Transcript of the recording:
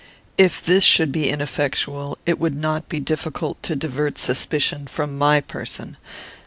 If this should be ineffectual, it would not be difficult to divert suspicion from my person.